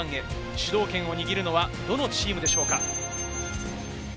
主導権を握るのはどのチームでしょうか。